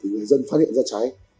thì người dân phát hiện ra cháy